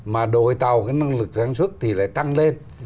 mà đội tàu cái năng lực sản xuất thì lại tăng lên